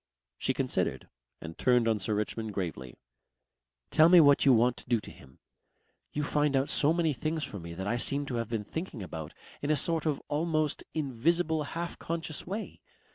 She considered and turned on Sir Richmond gravely. "Tell me what you want to do to him. You find out so many things for me that I seem to have been thinking about in a sort of almost invisible half conscious way.